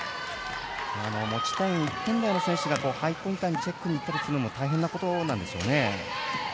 持ち点１点台の選手がハイポインターにチェックに行くのも大変なことなんでしょうね。